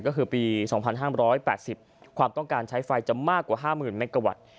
ก็คือปี๒๕๘๐ความต้องการใช้ไฟจะมากกว่า๕๐๐๐เมกะวัตต์